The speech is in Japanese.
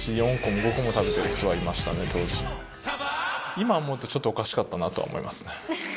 今思うとちょっとおかしかったなとは思いますね。